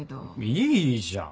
いいじゃん